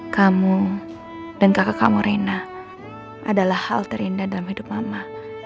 kamu dan kakak kamu reina adalah hal terindah dalam hidup lama